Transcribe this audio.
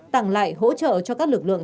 tặng lại hỗ trợ cho các lực lượng